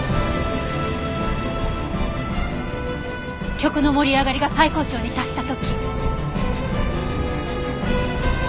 曲の盛り上がりが最高潮に達した時。